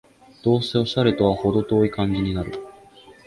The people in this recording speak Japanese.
どうせオシャレとはほど遠い感じになる